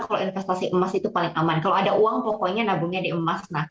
kalau investasi emas itu paling aman kalau ada uang pokoknya nabungnya di emas